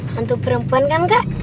hantu perempuan kan kak